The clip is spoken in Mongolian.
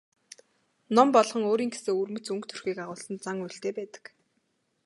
Ном болгон өөрийн гэсэн өвөрмөц өнгө төрхийг агуулсан зан үйлтэй байдаг.